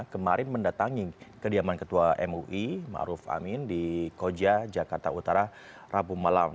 kemarin mendatangi kediaman ketua mui ⁇ maruf ⁇ amin di koja jakarta utara rabu malam